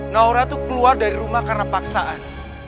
naura itu keluar dari rumah karena paksaan